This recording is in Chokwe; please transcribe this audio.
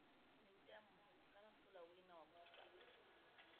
Nyi temo kanafula wina wakusa.